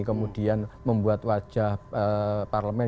kemudian membuat wajah parlemen